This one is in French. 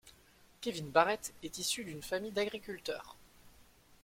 Kevin Barrett est issu d'une famille d'agriculteurs.